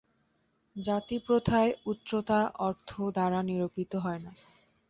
জাতিপ্রথায় উচ্চতা অর্থ দ্বারা নিরূপিত হয় না।